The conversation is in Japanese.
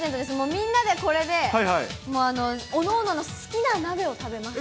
みんなでこれで、もうおのおのの好きな鍋を食べます。